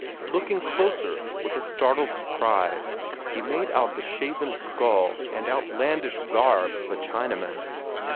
Looking closer, with a startled surprise, he made out the shaven skull and outlandish garb of a Chinaman.